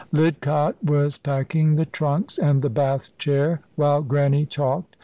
Lidcott was packing the trunks, and the Bath chair, while Grannie talked.